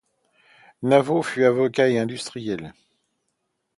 Naveau fut avocat et industriel.